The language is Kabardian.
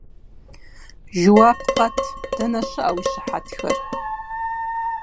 - Жэуап къэт, дэнэ щыӀэ уи щыхьэтхэр?